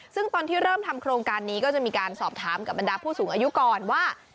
ซึ่งตอนที่เริ่มทำโครงการนี้ก็จะมีการสอบถามกับบรรดาผู้สูงอายุก่อนว่า